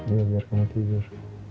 iya biar kamu tidur